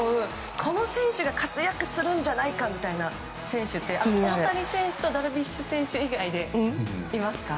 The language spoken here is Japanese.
この選手が活躍するんじゃないかという選手大谷選手とダルビッシュ選手以外でいますか？